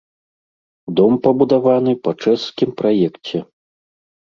Дом пабудаваны па чэшскім праекце.